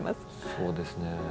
そうですね。